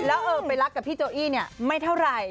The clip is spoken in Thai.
แล้วเออไปรักกับพี่โจอี้เนี่ยไม่เท่าไหร่